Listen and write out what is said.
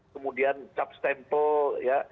kemudian cap stempel ya